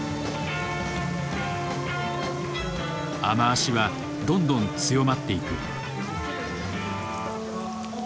雨足はどんどん強まっていく。